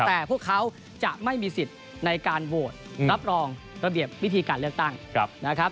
แต่พวกเขาจะไม่มีสิทธิ์ในการโหวตรับรองระเบียบวิธีการเลือกตั้งนะครับ